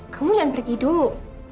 kamu jangan pergi dulu